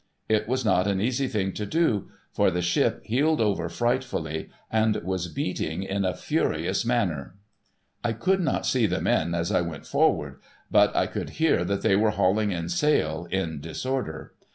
It was not an easy thing to do, for the ship heeled over frightfully, and was beating in a furious manner. I could not see the men as I went forward, but I could hear that they were hauling in sail, in disorder.